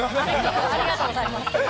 ありがとうございます。